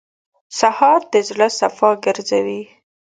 سهار د زړه صفا ګرځوي.